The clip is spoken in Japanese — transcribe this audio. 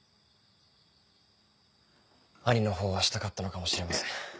兄のほうはしたかったのかもしれません。